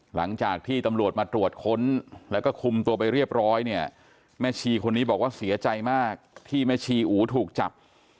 หลังจากที่ตำรวจมาตรวจค้นแล้วก็คุมตัวไปเรียบร้อยเนี่ยแม่ชีคนนี้บอกว่าเสียใจมากที่แม่ชีอูถูกจับ